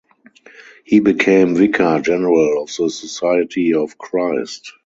He became vicar general of the Society of Christ.